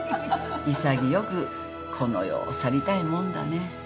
潔くこの世を去りたいもんだね。